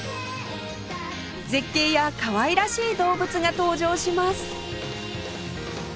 絶景やかわいらしい動物が登場します